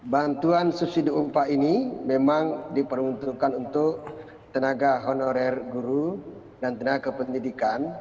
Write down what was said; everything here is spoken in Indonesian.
bantuan subsidi upah ini memang diperuntukkan untuk tenaga honorer guru dan tenaga pendidikan